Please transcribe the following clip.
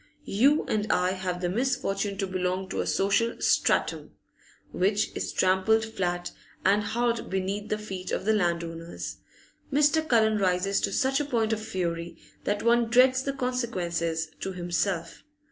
You and I have the misfortune to belong to a social 'strattum' which is trampled flat and hard beneath the feet of the landowners. Mr. Cullen rises to such a point of fury that one dreads the consequences to himself.